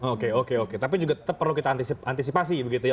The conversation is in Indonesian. oke oke oke tapi juga tetap perlu kita antisipasi begitu ya